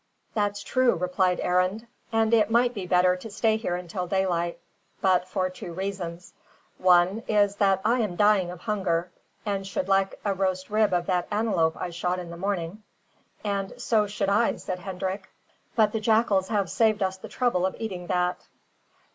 "That's true," replied Arend; "and it might be better to stay here until daylight, but for two reasons. One is, that I am dying of hunger, and should like a roast rib of that antelope I shot in the morning." "And so should I," said Hendrik, "but the jackals have saved us the trouble of eating that."